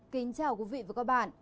kính chào quý vị và các bạn